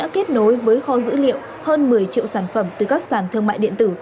kết nối với kho dữ liệu hơn một mươi triệu sản phẩm từ các sản thương mại điện tử